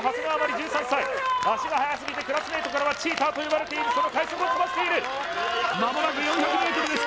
１３歳足が速すぎてクラスメイトからはチーターと呼ばれているその快足を飛ばしている間もなく４００ｍです